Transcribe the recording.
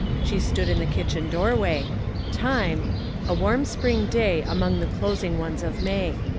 She stood in the kitchen doorway ; time — a warm spring day among the closing ones of May.